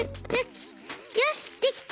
よしできた！